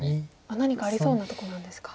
何かありそうなとこなんですか。